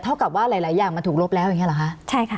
เท่ากับว่าหลายหลายอย่างมันถูกลบแล้วอย่างเงี้ยหรอค่ะใช่ค่ะ